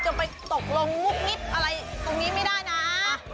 จะไปตกลงอะไรตรงนี้ไม่ได้นะ